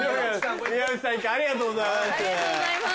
一家ありがとうございます。